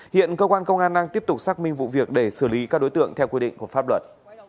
hiện cơ quan công an đang tiếp tục xác minh vụ việc để xử lý các đối tượng theo quy định của pháp luật